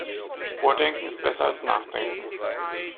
Vordenken ist besser als Nachdenken.